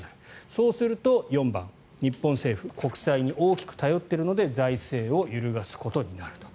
そうすると４番、日本政府国債に大きく頼ってるので財政を揺るがすことになると。